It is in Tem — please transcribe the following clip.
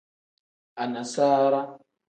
Anasaara.